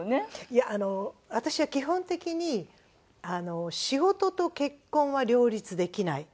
いやあの私は基本的に仕事と結婚は両立できない。